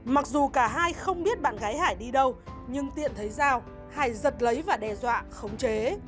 mặc dù cả hai không biết bạn gái hải đi đâu nhưng tiện thấy dao hải giật lấy và đe dọa khống chế